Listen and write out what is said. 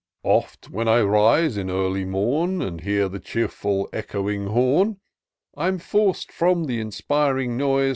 Oft when I rise at early mom. And hear the cheerful, echoing horn, I'm forc'd from the inspiring noise.